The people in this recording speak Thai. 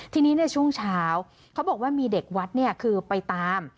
ทีนี้ในช่วงเช้าเขาบอกว่ามีเด็กวัดเนี่ยคือไปตาม